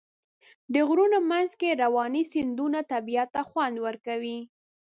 د غرونو منځ کې روانې سیندونه طبیعت ته خوند ورکوي.